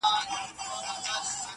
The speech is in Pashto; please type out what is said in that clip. o سړی خوښ دی چي په لوړ قېمت خرڅېږي,